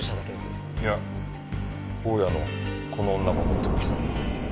いや大家のこの女も持ってるはずだ。